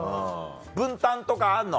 分担とかあんの？